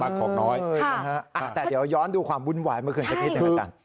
บังกล่องน้อยแต่เดี๋ยวย้อนดูความวุ่นวายเมื่อเกินจะพิจัยต่าง